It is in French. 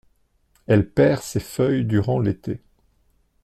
Elle perd ses feuilles durant l'été.